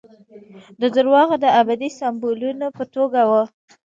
د درواغو د ابدي سمبولونو په توګه وو.